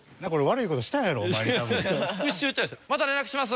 また連絡します。